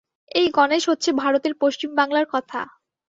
এই গণেশ হচ্ছে ভারতের পশ্চিম বাংলার কথা।